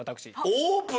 オープン？